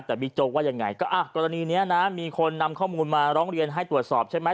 แต่บิ๊กโจ๊กว่ายังไงก็อ่ะกรณีนี้นะมีคนนำข้อมูลมาร้องเรียนให้ตรวจสอบใช่ไหม